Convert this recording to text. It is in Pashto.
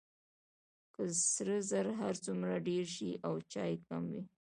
که سره زر هر څومره ډیر شي او چای کم وي.